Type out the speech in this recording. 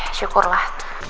ya syukur lah